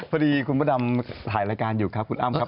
พอดีคุณพระดำถ่ายรายการอยู่ครับคุณอ้ำครับ